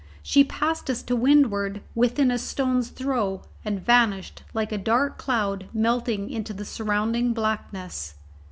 She passed us to windward within a stone's throw, and vanished like a dark cloud melting into the surrounding blackness.